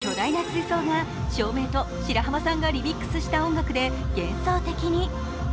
夜の巨大な水槽が照明と白濱さんがリミックスした音楽で幻想的に。